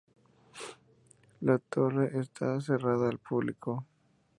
La torre está cerrada al público.